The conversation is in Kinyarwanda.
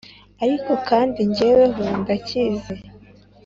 Ariko kandi jyeho ndacyizi